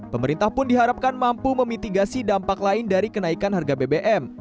pemerintah pun diharapkan mampu memitigasi dampak lain dari kenaikan harga bbm